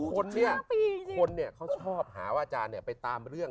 คนเนี่ยเขาชอบหาว่าอาจารย์ไปตามเรื่อง